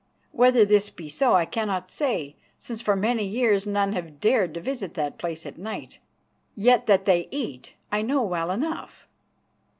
Whether this be so I cannot say, since for many years none have dared to visit that place at night. Yet that they eat I know well enough."